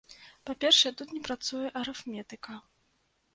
Па-першае, тут не працуе арыфметыка.